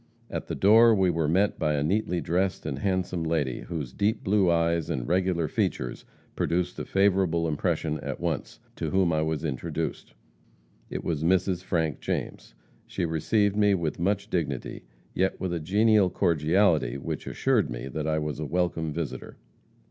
At the door we were met by a neatly dressed and handsome lady, whose deep blue eyes and regular features produced a favorable impression at once, to whom I was introduced. It was Mrs. Frank James. She received me with much dignity, yet with a genial cordiality which assured me that I was a welcome visitor.